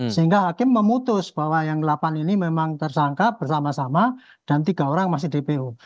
sehingga hakim memutus bahwa yang delapan ini memang tersangka bersama sama dan tiga orang masih dpo